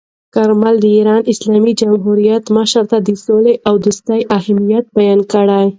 کارمل د ایران اسلامي جمهوریت مشر ته د سولې او دوستۍ اهمیت بیان کړ.